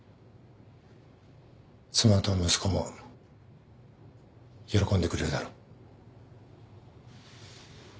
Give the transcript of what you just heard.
妻と息子も喜んでくれるだろう。